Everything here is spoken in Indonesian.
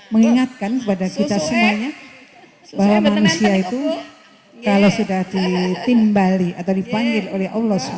mengingatkan kepada kita semuanya bahwa manusia itu kalau sudah ditimbali atau dipanggil oleh allah swt